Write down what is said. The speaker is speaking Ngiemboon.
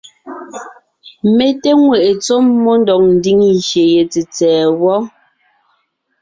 Mé té ŋweʼe tsɔ́ mmó ndɔg ńdiŋ gyè ye tsètsɛ̀ɛ wɔ.